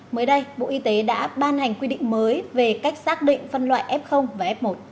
mới đây bộ y tế đã ban hành quy định mới về cách xác định phân loại f và f một